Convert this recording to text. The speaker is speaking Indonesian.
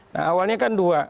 nah awalnya kan dua